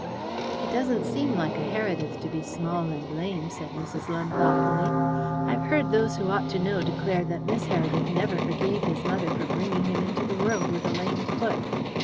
"It doesn't seem like a Heredith to be small and lame," said Mrs. Lumbe thoughtfully. "I've heard those who ought to know declare that Miss Heredith never forgave his mother for bringing him into the world with a lame foot.